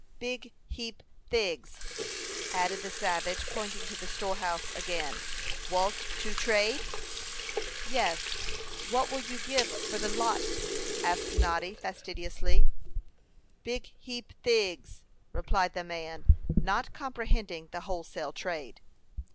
"Big heap thigs," added the savage, pointing to the storehouse again. "Walt to trade?" "Yes; what will you give for the lot?" asked Noddy, facetiously. "Big heap thigs," replied the man, not comprehending the wholesale trade.